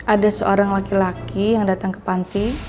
ada seorang laki laki yang datang ke panti